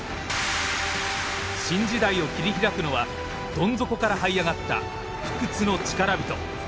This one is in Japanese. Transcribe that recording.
新時代を切り開くのはどん底からはい上がった不屈の力人。